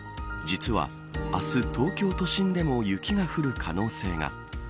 実は明日、東京都心でも雪が降る可能性が。